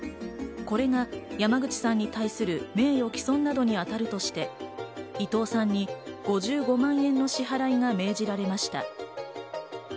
これが山口さんに対する名誉毀損などに当たるとして、伊藤さんに５５万円の支払いが命じられました。